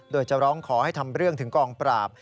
โดยจะร้องขอให้ทำเรื่องถึงกองปราบ